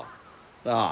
なあ？